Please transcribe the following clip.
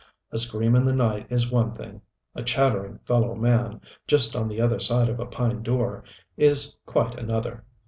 A scream in the night is one thing; a chattering fellow man, just on the other side of a pine door, is quite another.